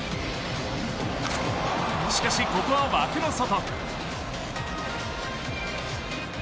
しかしここは枠の外。